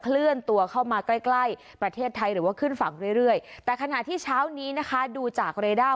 เลื่อนตัวเข้ามาใกล้ใกล้ประเทศไทยหรือว่าขึ้นฝั่งเรื่อยแต่ขณะที่เช้านี้นะคะดูจากเรด้า